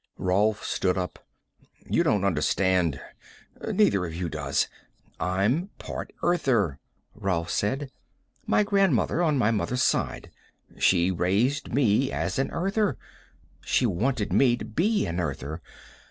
Rolf stood up. "You don't understand. Neither of you does. I'm part Earther," Rolf said. "My grandmother on my mother's side. She raised me as an Earther. She wanted me to be an Earther.